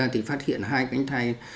thì phát hiện hai cánh tay